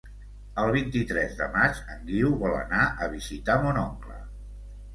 El vint-i-tres de maig en Guiu vol anar a visitar mon oncle.